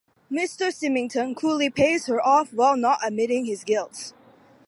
Mr Symmington coolly pays her off while not admitting his guilt.